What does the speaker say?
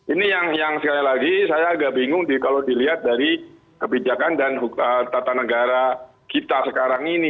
ini yang sekali lagi saya agak bingung kalau dilihat dari kebijakan dan tata negara kita sekarang ini